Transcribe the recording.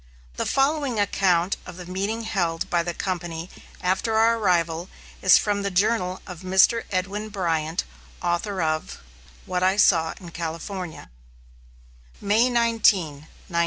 The following account of the meeting held by the company after our arrival is from the journal of Mr. Edwin Bryant, author of "What I Saw in California": May 19, 1846.